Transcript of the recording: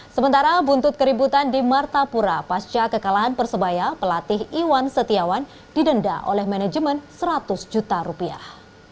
sementara buntut keributan di martapura pasca kekalahan persebaya pelatih iwan setiawan didenda oleh manajemen seratus juta rupiah